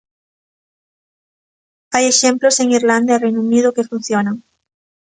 Hai exemplos en Irlanda e Reino Unido que funcionan.